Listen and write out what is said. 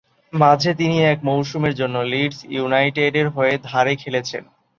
মাঝে তিনি এক মৌসুমের জন্য লিডস ইউনাইটেডের হয়ে ধারে খেলেছেন।